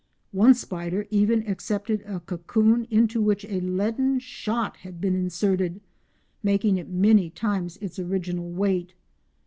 One spider even accepted a cocoon into which a leaden shot had been inserted, making it many times its original weight.